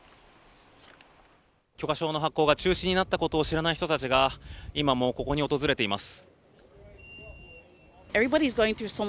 許可証の発行が中止になったことを知らない人たちが今もここに訪れています。